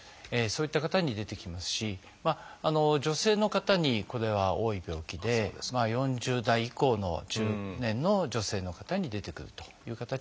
そういった方に出てきますし女性の方にこれは多い病気で４０代以降の中年の女性の方に出てくるという形になってきます。